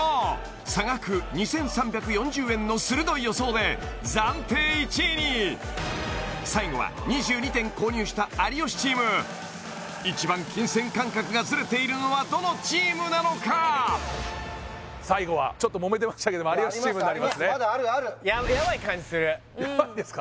差額２３４０円の鋭い予想で暫定１位に最後は２２点購入した有吉チーム一番金銭感覚がズレているのはどのチームなのかちょっともめてましたけどいやまだあるあるヤバいですか？